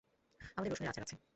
আমাদের রসুনের আচার আছে।